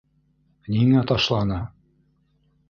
Ниңә ташланы?..